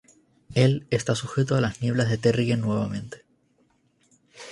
Él está sujeto a las Nieblas de Terrigen nuevamente.